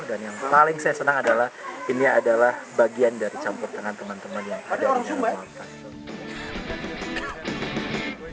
dan yang paling saya senang adalah ini adalah bagian dari campur tangan teman teman yang ada di lapas